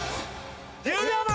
１０秒前！